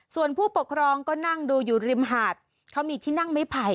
ส่วนผู้ปกครองก็นั่งดูอยู่ริมหาดเขามีที่นั่งไม้ไผ่